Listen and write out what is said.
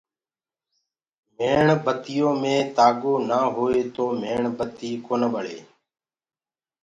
ميڻ بتيو مينٚ تآگو نآ هوئي تو ميڻ بتي ڪونآ ٻݪي۔